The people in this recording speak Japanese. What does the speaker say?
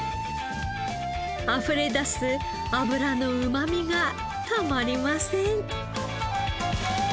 あふれ出す脂のうまみがたまりません。